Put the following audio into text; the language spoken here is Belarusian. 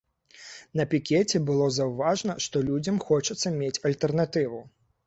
На пікеце было заўважна, што людзям хочацца мець альтэрнатыву.